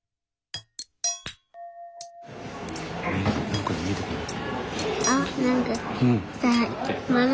なんかに見えてこない？